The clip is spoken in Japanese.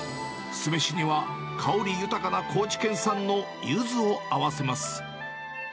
酢飯には香り豊かな高知県産のゆずを合わせます。